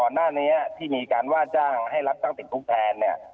หน้านี้ที่มีการว่าจ้างให้รับตั้งติดคุกแทนเนี่ย